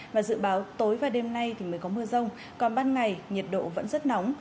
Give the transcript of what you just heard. và dự báo tối và đêm nay thì mới có mưa rông còn ban ngày nhiệt độ vẫn rất nóng